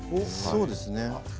そうですね。